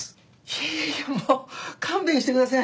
いやいやいやもう勘弁してください。